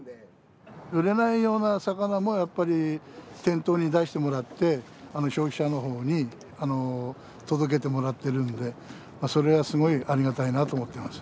売れないような魚もやっぱり店頭に出してもらって消費者の方に届けてもらってるんでそれはすごいありがたいなと思ってます。